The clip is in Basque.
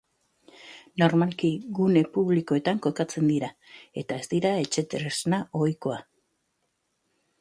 Normalki gune publikoetan kokatzen dira, eta ez dira etxe-tresna ohikoa.